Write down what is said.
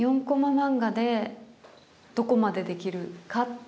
漫画でどこまでできるかっていう。